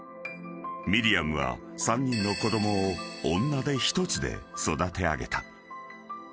［ミリアムは３人の子供を女手一つで育て上げた］